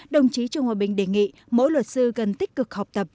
đồng chí trương hòa bình đề nghị mỗi luật sư cần tích cực học tập